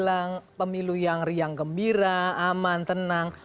kalau mau bilang pemilu yang riang gembira aman tenang